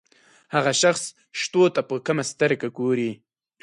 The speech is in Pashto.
هغه شخص شتو ته په کمه سترګه ګوري.